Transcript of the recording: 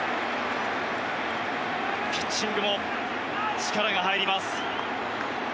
ピッチングも力が入ります。